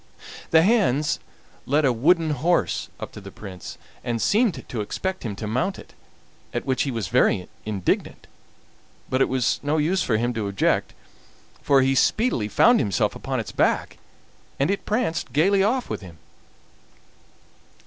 The hands led a wooden horse up to the Prince, and seemed to expect him to mount it, at which he was very indignant; but it was no use for him to object, for he speedily found himself upon its back, and it pranced gaily off with him.